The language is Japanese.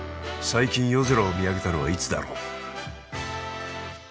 最近夜空を見上げたのはいつだろう？